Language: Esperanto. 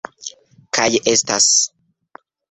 Kaj estas